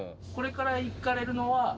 これから行かれるのは？